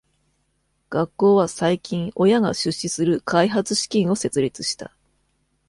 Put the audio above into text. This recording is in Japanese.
学校は最近親が出資する開発資金を設立した。